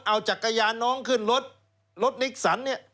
เอาจักรยาน้องขึ้นรถรถนิกสัน